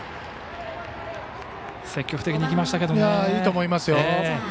いいと思いますよ。